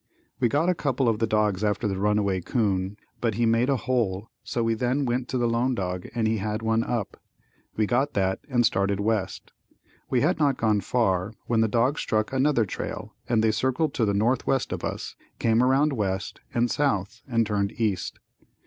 We got a couple of the dogs after the runaway 'coon but he made a hole, so we then went to the lone dog and he had one up. We got that and started west. We had not gone far when the dogs struck another trail and they circled to the northwest of us, came around west and south and turned east.